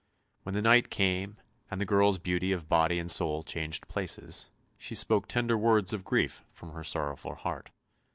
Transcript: When the night came and the girl's beauty of body and soul changed places, she spoke tender words of grief from her sorrowful heart.